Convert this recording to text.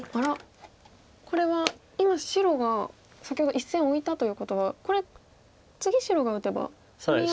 これは今白が先ほど１線オイたということはこれ次白が打てば攻め合いに。